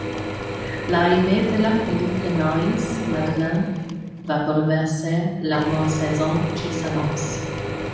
L’arrivée de la fille de Maurice, Madeleine, va bouleverser la morte-saison qui s’annonce.